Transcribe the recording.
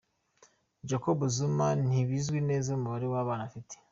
Jacob Zuma ntibizwi neza umubare w’abana afite